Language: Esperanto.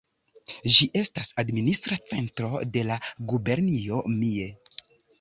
Ĝi estas administra centro de la gubernio Mie.